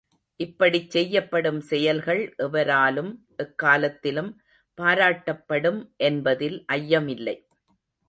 இப்படிச் செய்யப்படும் செயல்கள் எவராலும் எக்காலத்திலும் பாராட்டப்படும் என்பதில் ஐயமில்லை.